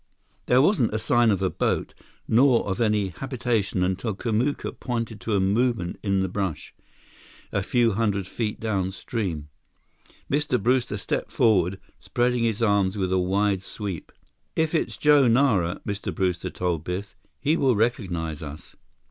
There wasn't a sign of a boat nor of any habitation until Kamuka pointed to a movement in the brush, a few hundred feet downstream. Mr. Brewster stepped forward, spreading his arms with a wide sweep. "If it's Joe Nara," Mr. Brewster told Biff, "he will recognize us.